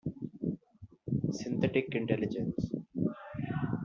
Synthetic Intelligence.